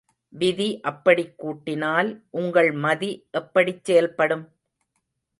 விதி அப்படிக் கூட்டினால் உங்கள் மதி எப்படிச் செயல்படும்?